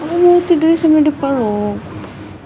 aku mau tidur sama depa loh